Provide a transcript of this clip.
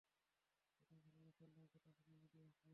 রাসূলুল্লাহ সাল্লাল্লাহু আলাইহি ওয়াসাল্লাম কথা শুনে মৃদু হাসলেন।